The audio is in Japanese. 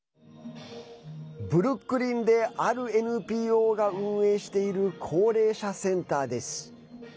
ブルックリンであるＮＰＯが運営している高齢者センターです。